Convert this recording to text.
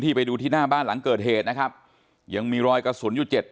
ไปดูที่หน้าบ้านหลังเกิดเหตุนะครับยังมีรอยกระสุนอยู่เจ็ด